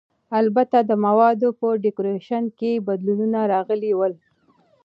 البته د موادو په ډیکورېشن کې بدلونونه راغلي ول.